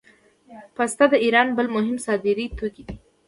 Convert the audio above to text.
پسته د ایران بل مهم صادراتي توکی دی.